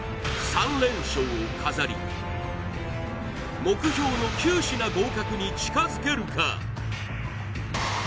３連勝を飾り目標の９品合格に近づけるか？